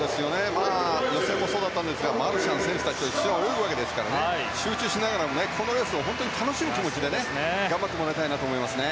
予選もそうだったんですがマルシャン選手と一緒に泳ぐわけですから集中しながらも、このレースを本当に楽しむ気持ちで頑張ってもらいたいなと思いますね。